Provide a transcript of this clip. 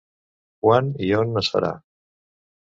Quan i on es farà?